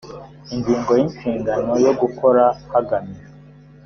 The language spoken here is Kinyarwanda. ingingo ya inshingano yo gukora hagamijwe